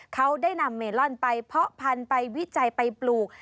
เขาได้นำเมลอนไปเพาะพันธุ์ไปวิจัยไปปลูก